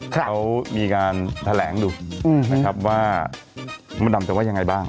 เขามีการแถลงดูนะครับว่ามดดำจะว่ายังไงบ้าง